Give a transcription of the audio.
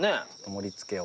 盛り付けを。